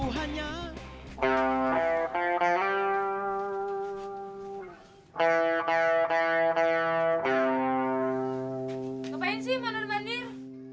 ngapain sih manur bandir